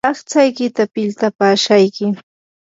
aqtsaykita piltapaashayki.